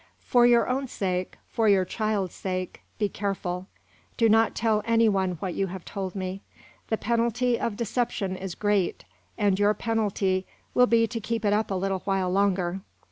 "For your own sake, for your child's sake, be careful. Do not tell any one what you have told me. The penalty of deception is great, and your penalty will be to keep it up a little while longer.